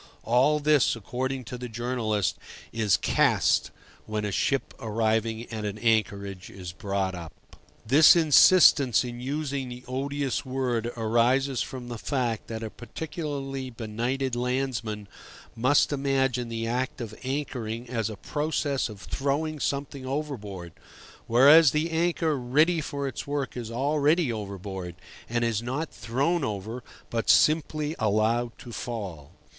All this, according to the journalist, is "cast" when a ship arriving at an anchorage is brought up. This insistence in using the odious word arises from the fact that a particularly benighted landsman must imagine the act of anchoring as a process of throwing something overboard, whereas the anchor ready for its work is already overboard, and is not thrown over, but simply allowed to fall.